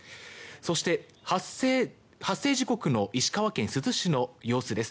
そして、発生時刻の石川県珠洲市の様子です。